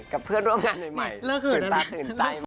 กับเพื่อนร่วมงานใหม่ตื่นตาตื่นใจมาก